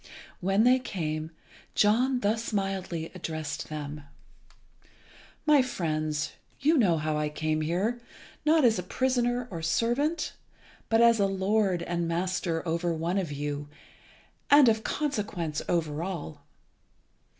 When they came, John thus mildly addressed them "My friends, you know how I came here, not as a prisoner or servant, but as a lord and master over one of you, and of consequence over all.